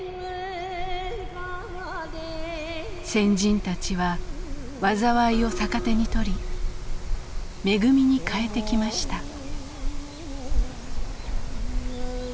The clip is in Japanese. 先人たちは災いを逆手に取り恵みに変えてきました。